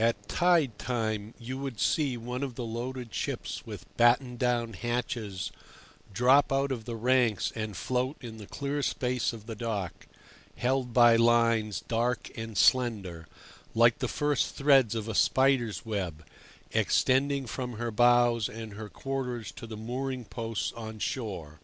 At tide time you would see one of the loaded ships with battened down hatches drop out of the ranks and float in the clear space of the dock, held by lines dark and slender, like the first threads of a spider's web, extending from her bows and her quarters to the mooring posts on shore.